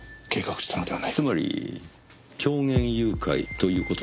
つまり狂言誘拐ということですか？